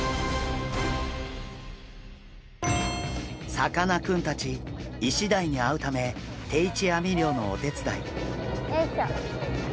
さかなクンたちイシダイに会うため定置網漁のお手伝い。